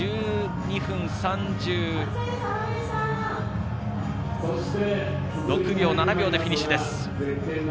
２時間１２分３７秒でフィニッシュです。